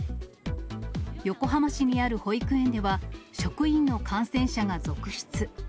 横浜市にある保育園では、職員の感染者が続出。